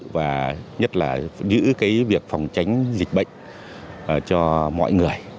giữ cái việc phòng tránh dịch bệnh cho mọi người